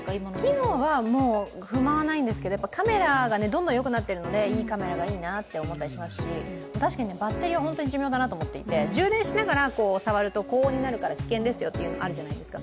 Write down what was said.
機能は不満はないんですけどカメラがどんどん良くなってるのでいいカメラがいいなって思ったりしますし、確かにバッテリーは本当に寿命だなと思っていて充電しながら触ると高温になるから危険ですよってあるじゃないですか。